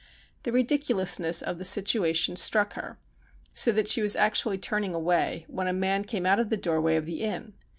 The ridiculousness of the situation struck her, so that she was actually turning away, when a man came out of the doorway of the inn.